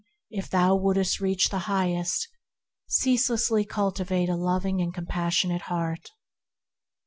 If thou wouldst reach the Highest, ceaselessly cul tivate a loving and compassionate heart.